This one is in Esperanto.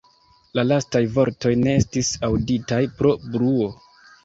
La lastaj vortoj ne estis aŭditaj pro bruo.